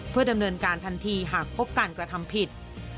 เพื่อดำเนินการทันทีหากพบการกระทำผิด